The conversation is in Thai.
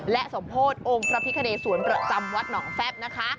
และสมโพธิ์องค์พระพิคเนสวนประจำวัดหนองแฟบนะคะ